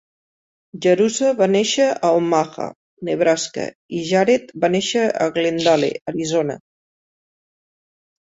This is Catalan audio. Jerusha va néixer a Omaha, Nebraska, i Jared va néixer a Glendale, Arizona.